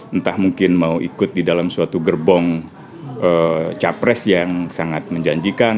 entah mungkin mau ikut di dalam suatu gerbong capres yang sangat menjanjikan